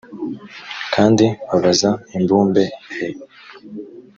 kandi babaza imbumbe e